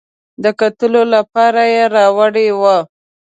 د کتلو لپاره یې راوړې وه.